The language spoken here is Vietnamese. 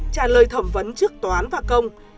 trả lời thẩm vấn trước toán và công